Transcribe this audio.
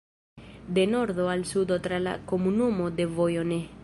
De nordo al sudo tra la komunumo de vojo ne.